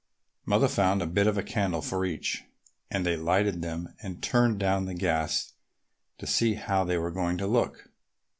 Mother found a bit of candle for each, and they lighted them and turned down the gas to see how they were going to look.